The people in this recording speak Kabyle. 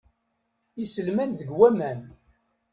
Iselman deg waman.